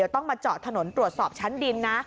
ต้องมาเจาะถนนตรวจสอบชั้นดินนะ